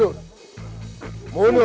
ya udah tadi kantingnya